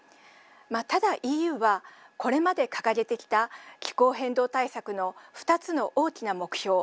ただＥＵはこれまで掲げてきた気候変動対策の２つの大きな目標